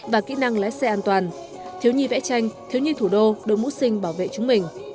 và kỹ năng lái xe an toàn thiếu nhi vẽ tranh thiếu nhi thủ đô đội mũ sinh bảo vệ chúng mình